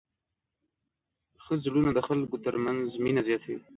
ښه زړونه د خلکو تر منځ مینه زیاتوي.